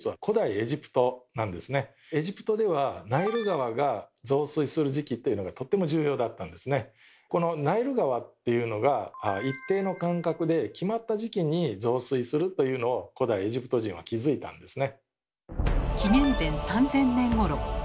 エジプトではこのナイル川っていうのが一定の間隔で決まった時期に増水するというのを古代エジプト人は気付いたんですね。